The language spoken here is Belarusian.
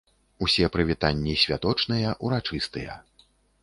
Усе прывітанні святочныя, урачыстыя.